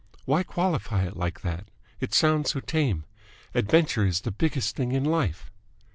"Why qualify it like that? It sounds so tame. Adventure is the biggest thing in life."